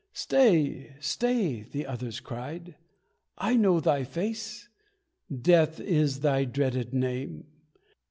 "Stay! Stay!" the other cried. "I know thy face! Death is thy dreaded name!"